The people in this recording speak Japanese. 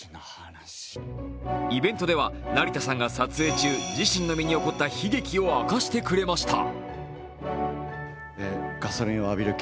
イベントでは成田さんが撮影中、自身の身に起こった悲劇を明かしてくれました。